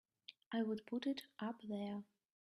I would put it up there!